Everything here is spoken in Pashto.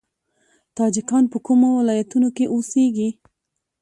تاجکان په کومو ولایتونو کې اوسیږي؟